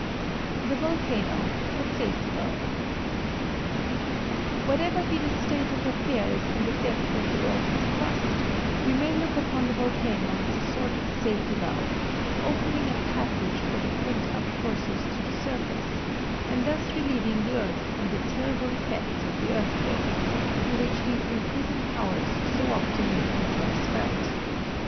THE VOLCANO A SAFETY VALVE Whatever be the state of affairs in the depths of the earth's crust, we may look upon the volcano as a sort of safety valve, opening a passage for the pent up forces to the surface, and thus relieving the earth from the terrible effects of the earthquake, through which these imprisoned powers so often make themselves felt.